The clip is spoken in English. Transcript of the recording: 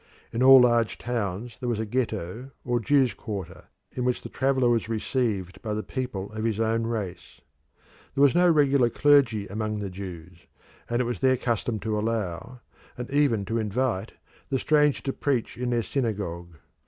In all large towns there was a Ghetto or Jews' quarter, in which the traveller was received by the people of his own race. There was no regular clergy among the Jews, and it was their custom to allow, and even to invite, the stranger to preach in their synagogue.